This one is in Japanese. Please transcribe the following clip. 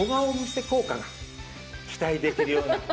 が期待できるような。